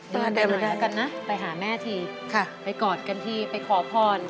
น่าเดินไม่ได้นะครับไปหาแม่ทีไปกอดกันทีไปขอพร